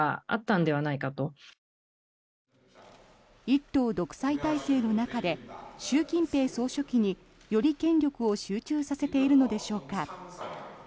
一党独裁体制の中で習近平総書記により権力を集中させているのでしょうか。